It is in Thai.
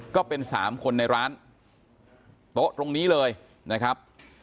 ก็เป็น๓คนในร้านโต๊ะตรงนี้เลยนะครับ